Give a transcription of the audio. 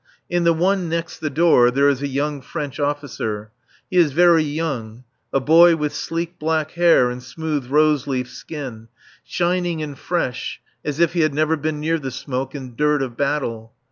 In the one next the door there is a young French officer. He is very young: a boy with sleek black hair and smooth rose leaf skin, shining and fresh as if he had never been near the smoke and dirt of battle.